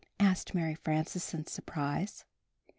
asked Mary Frances in surprise.